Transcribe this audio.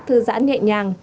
thư giãn nhẹ nhàng